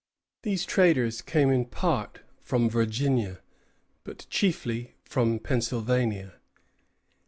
These traders came in part from Virginia, but chiefly from Pennsylvania.